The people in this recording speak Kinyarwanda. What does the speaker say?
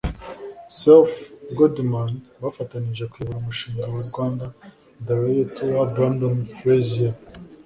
Seth Goldman bafatanyije kuyobora umushinga wa 'Rwanda The Royal Tour'; Brandon Frazier